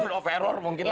maksud of error mungkin lah